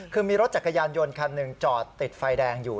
คือมีรถจักรยานยนต์คันหนึ่งจอดติดไฟแดงอยู่